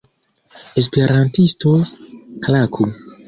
Esperantistoj klaku!